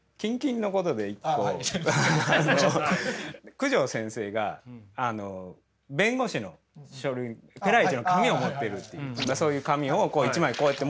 九条先生が弁護士の書類ペライチの紙を持ってるっていうそういう紙を１枚こうやって持ってる。